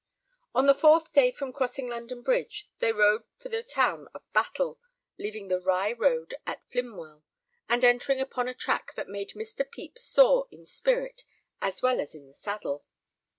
On the fourth day from crossing London Bridge they rode for the town of Battle, leaving the Rye road at Flimwell, and entering upon a track that made Mr. Pepys sore in spirit as well as in the saddle.